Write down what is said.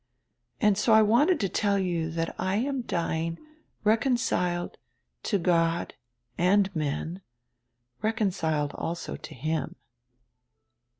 And so I wanted to tell you diat I am dying reconciled to God and men, reconciled also to him."